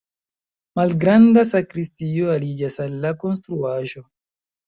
Malgranda sakristio aliĝas al la konstruaĵo.